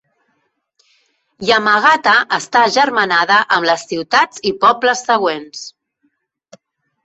Yamagata està agermanada amb les ciutats i pobles següents.